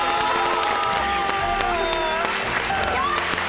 やった！